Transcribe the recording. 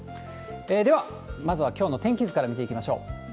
では、まずはきょうの天気図から見ていきましょう。